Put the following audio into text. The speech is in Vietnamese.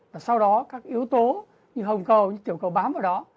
và sau đó các yếu tố như hồng cầu như tiểu cầu bám vào đó